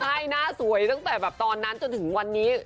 ใช่หน้าสวยตั้งแต่แบบตอนนั้นจนถึงวันนี้